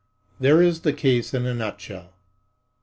There is the case in a nutshell.